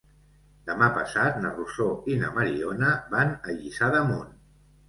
Demà passat na Rosó i na Mariona van a Lliçà d'Amunt.